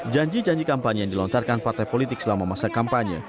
janji janji kampanye yang dilontarkan partai politik selama masa kampanye